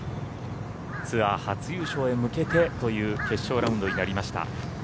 ツアー初優勝へ向けてという決勝ラウンドになりました。